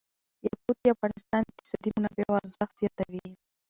یاقوت د افغانستان د اقتصادي منابعو ارزښت زیاتوي.